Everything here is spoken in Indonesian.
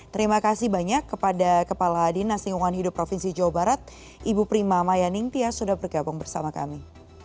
terima kasih banyak kepada kepala dinas lingkungan hidup provinsi jawa barat ibu prima maya ningtya sudah bergabung bersama kami